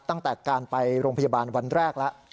ตั้งแต่การไปโรงพยาบาลวันแรกแล้ว